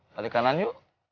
balik kanan yuk